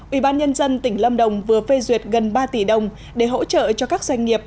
ủy ban nhân dân tỉnh lâm đồng vừa phê duyệt gần ba tỷ đồng để hỗ trợ cho các doanh nghiệp